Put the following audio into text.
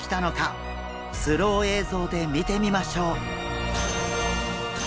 スロー映像で見てみましょう！